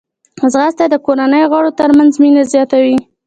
ځغاسته د کورنۍ غړو ترمنځ مینه زیاتوي